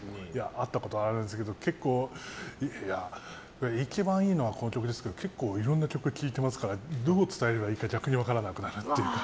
会ったことはあるんですけど結構、一番いいのはこの曲ですけど結構いろんな曲聴いてますからどう伝えればいいか逆に分からなくなる。